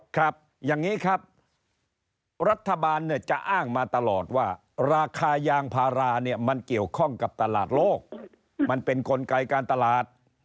ครับอย่างนี้ครับรัฐบาลเนี่ยจะอ้างมาตลอดว่าราคายางพาราเนี่ยมันเกี่ยวข้องกับตลาดโลกมันเป็นกลไกการตลาด